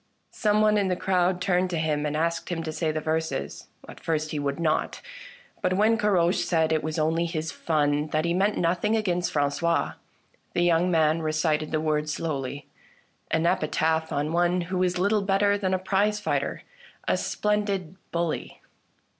Some one in the crowd turned to him and asked him to say the verses. At first he would not ; but when Caroche said that it was only his fun, that he meant nothing against Frangois, the young man recited the words slowly — an epitaph on one who was little better than a prize fighter, a splendid bully.